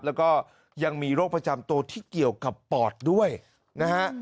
แล้วก็ยังมีโรคประจำตัวที่เกี่ยวกับปอดด้วยนะฮะ